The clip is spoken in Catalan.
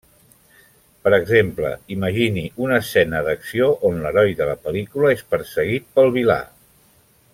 Per exemple, imagini una escena d'acció on l'heroi de la pel·lícula és perseguit pel vilà.